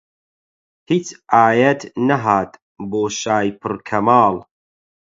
هیچ ئایەت نەهات بۆ شای پڕ کەماڵ